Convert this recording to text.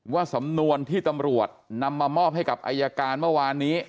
ว่าสำนวนที่ตำรวจนำมามอบให้กับอายการเมื่อวานนี้